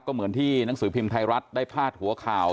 ก็เหมือนที่หนังสือพิมพ์ไทยรัฐได้พาดหัวข่าว